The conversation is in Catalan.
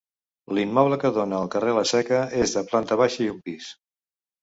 L'immoble que dóna al carrer la Seca és de planta baixa i un pis.